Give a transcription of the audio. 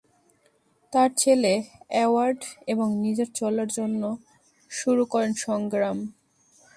তার ছেলে "এডওয়ার্ড" এবং নিজে চলার জন্য শুরু করেন সংগ্রাম।